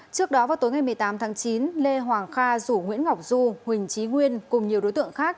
trước đó vào tối ngày một mươi tám tháng chín lê hoàng kha rủ nguyễn ngọc du huỳnh trí nguyên cùng nhiều đối tượng khác